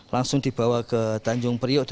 langsung dibawa ke tanjung priok